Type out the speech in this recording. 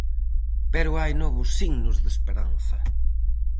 Pero hai novos signos de esperanza.